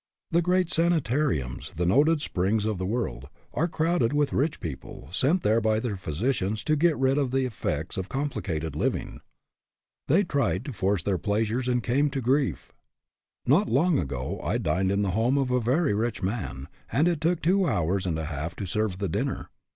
The great sanitariums, the noted springs of the world, are crowded with rich people, sent there by their physicians to get rid of the effects of complicated living. They tried to force their pleasures and came to grief. Not long ago, I dined in the home of a very rich man, and it took two hours and a half to serve the dinner.